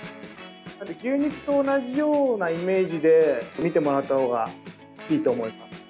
牛肉と同じようなイメージで見てもらったほうがいいと思います。